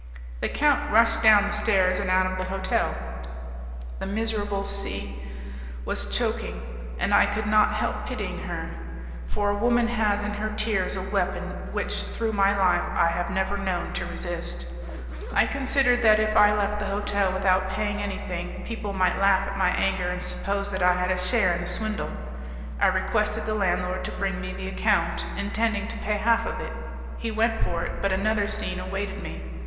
The count rushed down the stairs and out of the hotel. The miserable C was choking, and I could not help pitying her; for a woman has in her tears a weapon which through my life I have never known to resist. I considered that if I left the hotel without paying anything, people might laugh at my anger and suppose that I had a share in the swindle; I requested the landlord to bring me the account, intending to pay half of it. He went for it, but another scene awaited me.